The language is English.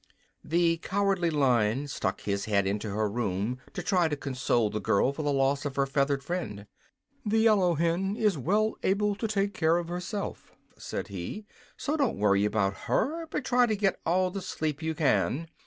The Cowardly Lion stuck his head into her room to try to console the girl for the loss of her feathered friend. "The yellow hen is well able to take care of herself," said he; "so don't worry about her, but try to get all the sleep you can.